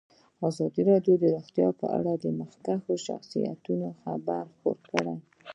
ازادي راډیو د روغتیا په اړه د مخکښو شخصیتونو خبرې خپرې کړي.